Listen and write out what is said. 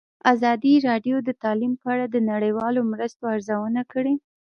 ازادي راډیو د تعلیم په اړه د نړیوالو مرستو ارزونه کړې.